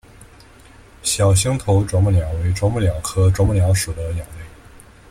小星头啄木鸟为啄木鸟科啄木鸟属的鸟类。